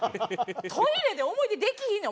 トイレで思い出できひんねん！